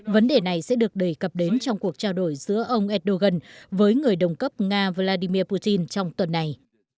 vấn đề này sẽ được đề cập đến trong cuộc trao đổi giữa ông erdogan với người đồng cấp nga vladimir putin trong tuần này